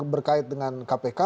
berkait dengan kpk